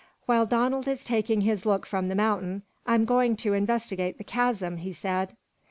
"While Donald is taking his look from the mountain, I'm going to investigate the chasm," he said.